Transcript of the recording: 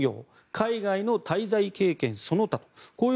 海外の滞在経験その他という。